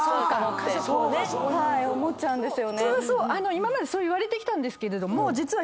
今までそういわれてきたんですが実は。